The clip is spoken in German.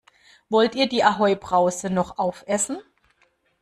Wollt ihr die Ahoi-Brause noch aufessen?